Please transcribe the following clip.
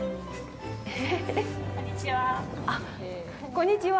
こんにちは。